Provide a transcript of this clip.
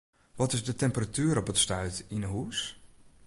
Wat is de temperatuer op it stuit yn 'e hûs?